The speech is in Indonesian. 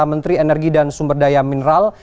menteri energi dan sumber daya mineral